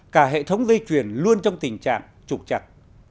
cả hệ thống dây chuyền luôn trong tình trạng trục chặt